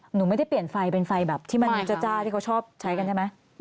หนูไม่ได้เปลี่ยนไฟเป็นไฟแบบที่มันจ้าที่เขาชอบใช้กันใช่ไหม